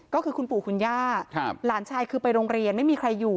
ก็คือคุณปู่คุณย่าหลานชายคือไปโรงเรียนไม่มีใครอยู่